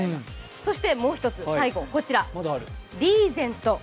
そしてもう一つ、最後にこちら、リーゼント。